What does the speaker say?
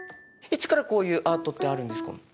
いつからこういうアートってあるんですか？